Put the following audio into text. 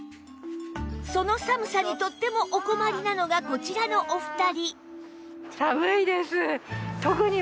その寒さにとってもお困りなのがこちらのお二人